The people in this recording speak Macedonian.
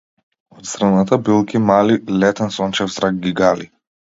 Од зрната билки мали - летен сончев зрак ги гали.